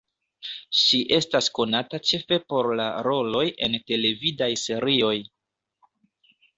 Ŝi estas konata ĉefe por la roloj en televidaj serioj.